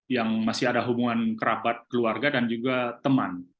yang masih ada hubungan kerabat keluarga dan juga teman